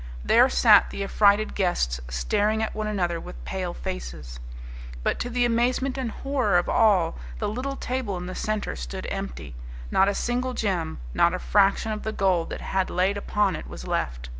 There sat the affrighted guests staring at one another with pale faces. But, to the amazement and horror of all, the little table in the centre stood empty not a single gem, not a fraction of the gold that had lain upon it was left.